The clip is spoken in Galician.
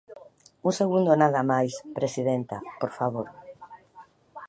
Un segundo nada máis, presidenta, por favor.